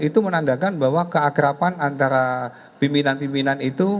itu menandakan bahwa keakrapan antara pimpinan pimpinan itu